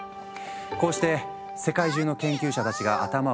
こうして世界中の研究者たちが頭を抱える中。